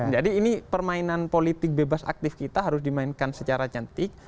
jadi ini permainan politik bebas aktif kita harus dimainkan secara cantik